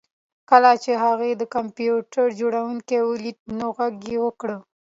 کله چې هغه د کمپیوټر جوړونکی ولید نو غږ یې وکړ